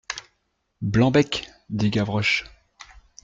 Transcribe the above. Blanc-bec ! dit Gavroche.